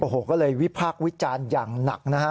โอ้โหก็เลยวิพากษ์วิจารณ์อย่างหนักนะฮะ